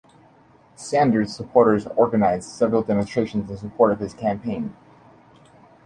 Sanders supporters organized several demonstrations in support of his campaign.